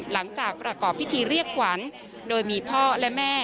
หลังจากประกอบพิธีเรียกขวัญโดยมีพ่อและแม่